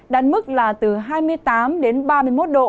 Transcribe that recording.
đạt mức là từ hai mươi tám đến ba mươi một độ